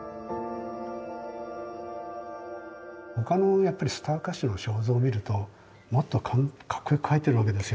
他のやっぱりスター歌手の肖像を見るともっとかっこよく描いてるわけですよ。